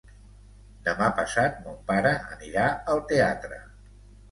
Demà passat mon pare anirà al teatre.